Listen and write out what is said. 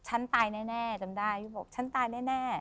ฉันตายแน่จำได้บอกฉันตายแน่